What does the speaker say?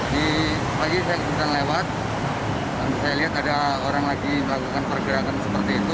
di pagi saya kebetulan lewat dan saya lihat ada orang lagi melakukan pergerakan seperti itu